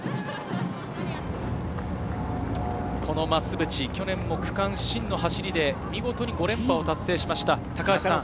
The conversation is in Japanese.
この増渕、去年も区間新の走りで見事に５連覇を達成しました。